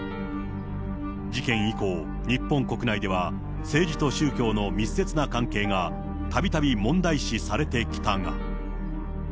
事件以降、日本国内では政治と宗教の密接な関係がたびたび問題視されてきたが。